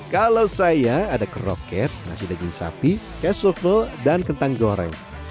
kalau saya ada kroket nasi daging sapi kesevel dan kentang goreng